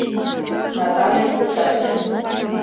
Натальын кочаже